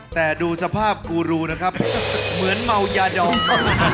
แต่ดูสภาพกูรูนะครับเหมือนเมายาดอง